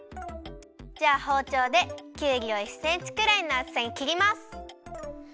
じゃあほうちょうできゅうりを１センチくらいのあつさに切ります。